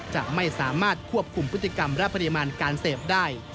จะไม่สามารถควบคุมพฤติกรรมและปริมาณการเสพได้